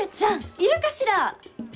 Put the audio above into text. いるかしら？